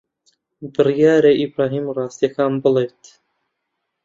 بڕیارە ئیبراهیم ڕاستییەکان بڵێت.